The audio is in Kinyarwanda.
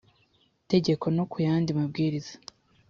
tegeko no ku yandi mabwiriza